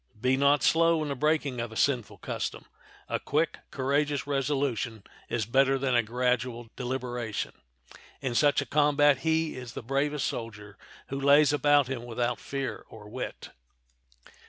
Be not slow in the breaking of a sinful custom; a quick, courageous resolution is better than a gradual deliberation; in such a combat he is the bravest soldier who lays about him without fear or wit.